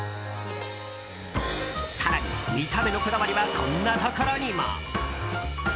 更に、見た目のこだわりはこんなところにも。